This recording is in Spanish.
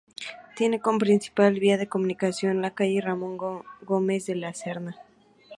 Tiene como principal vía de comunicación la calle Ramón Gómez de la Serna.